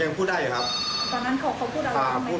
ไม่พูดได้เลยครับ